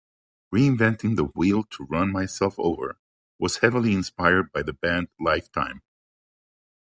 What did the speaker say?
"Reinventing the Wheel to Run Myself Over" was heavily inspired by the band Lifetime.